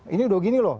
ini udah gini loh